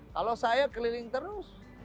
kalau saya keliling terus